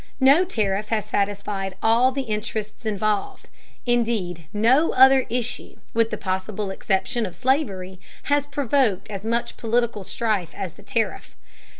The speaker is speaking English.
No tariff has satisfied all the interests involved; indeed, no other issue, with the possible exception of slavery, has provoked as much political strife as the tariff.